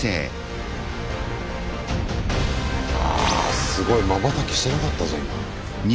あすごいまばたきしてなかったぞ今。